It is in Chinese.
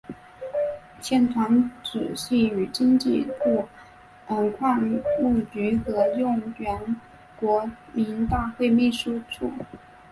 现团址系与经济部矿务局合用原国民大会秘书处。